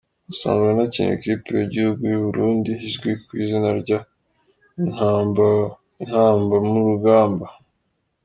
Asanzwe anakinira ikipe y’igihugu y’u Burundi izwi ku izina rya Intambamurugamba.